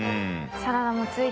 サラダも付いて。